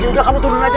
ngapain ini aja